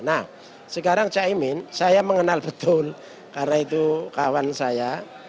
nah sekarang caimin saya mengenal betul karena itu kawan saya